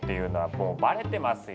もうバレてますよ。